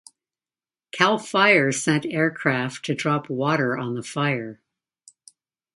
Cal Fire sent aircraft to drop water on the fire.